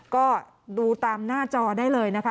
ก็ดูตามหน้าจอได้เลยนะคะ